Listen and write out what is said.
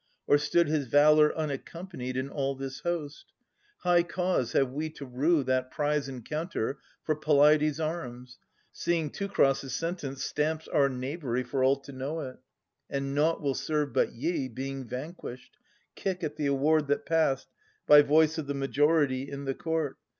Or stood his valour unaccompanied In all this host ? High cause have we to rue That prize encounter for Peleides' arms, Seeing Teucer's sentence stamps our knavery For all to know it; and nought will serve but ye. Being vanquished, kick at the award that passed By voice of the majority in the court.